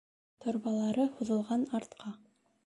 Торбалары һуҙылған артҡа...